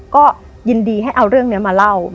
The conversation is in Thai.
ก็ยินดีให้เอาเรื่องนี้มาเล่า